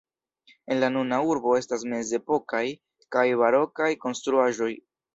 En la nuna urbo estas mezepokaj kaj barokaj konstruaĵoj.